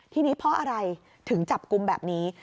ทีนี้เพราะอะไรถึงจับกลุ่มแบบนี้